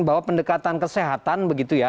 bahwa pendekatan kesehatan begitu ya